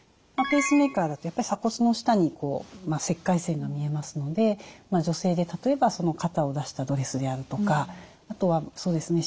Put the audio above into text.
ペースメーカーだとやっぱり鎖骨の下に切開線が見えますので女性で例えば肩を出したドレスであるとかあとはそうですね